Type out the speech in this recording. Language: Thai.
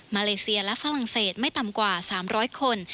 เลเซียและฝรั่งเศสไม่ต่ำกว่า๓๐๐คน